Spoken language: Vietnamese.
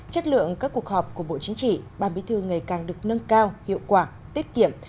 chất lượng các cuộc họp của bộ chính trị ban bí thư ngày càng được nâng cao hiệu quả tiết kiệm